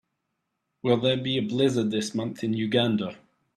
Will there be a blizzard this month in Uganda